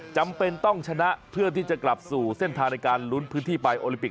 จำเป็นต้องชนะเพื่อที่จะกลับสู่เส้นทางในการลุ้นพื้นที่ไปโอลิปิก